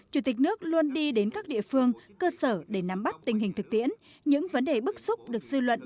chủ tịch nước luôn đi đến các địa phương cơ sở để nắm bắt tình hình thực tiễn những vấn đề bức xúc được dư luận